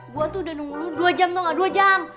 gue tuh udah nunggu dua jam tuh gak dua jam